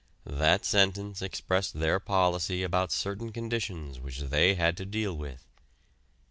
That sentence expressed their policy about certain conditions which they had to deal with.